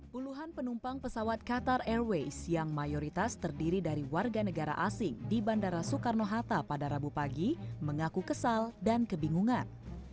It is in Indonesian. puluhan penumpang pesawat qatar airways yang mayoritas terdiri dari warga negara asing di bandara soekarno hatta pada rabu pagi mengaku kesal dan kebingungan